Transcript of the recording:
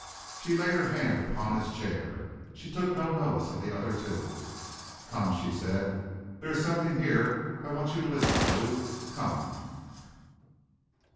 She laid her hand upon his chair. She took no notice of the other two. "Come," she said, "there is something here I want you to listen to. Come!"